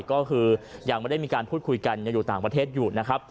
ก็คือยังไม่ได้มีการพูดคุยกันยังอยู่ต่างประเทศอยู่นะครับ